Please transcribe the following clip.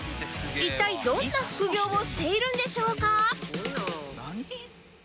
一体どんな副業をしているんでしょうか？